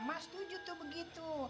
mas setuju tuh begitu